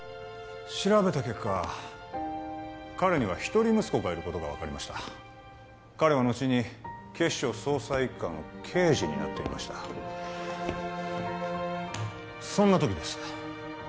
調べた結果彼には一人息子がいることが分かりました彼は後に警視庁捜査一課の刑事になっていましたそんな時です